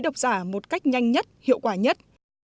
đọc giả một cách nhanh nhất hiệu quả nhất